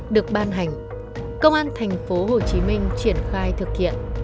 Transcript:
được ban hành công an thành phố hồ chí minh triển khai thực hiện